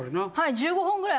１５本ぐらい」